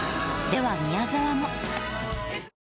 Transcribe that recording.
では宮沢も。